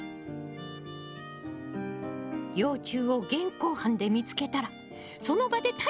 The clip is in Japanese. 幼虫を現行犯で見つけたらその場で逮捕！